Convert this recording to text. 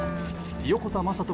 横田真人